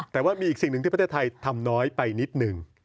แต่ว่ามีอีกสิ่งหนึ่งที่ประเทศไทยทำน้อยไปนิดหนึ่ง